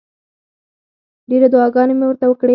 ډېرې دعاګانې مې ورته وکړې.